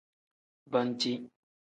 Banci.